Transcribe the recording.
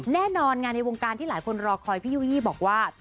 แน่นอนงานในวงการที่หลายคนรอคอยพี่ยู่ยี่บอกว่า